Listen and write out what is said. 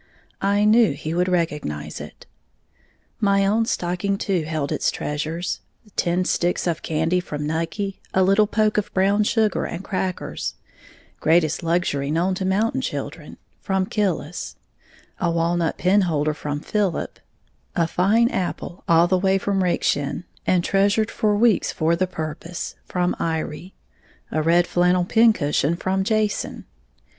I knew he would recognize it! My own stocking, too, held its treasures, ten sticks of candy from Nucky, a little poke of brown sugar and crackers (greatest luxury known to mountain children) from Killis, a walnut penholder from Philip, a fine apple, all the way from Rakeshin, and treasured for weeks for the purpose, from Iry, a red flannel pincushion from Jason.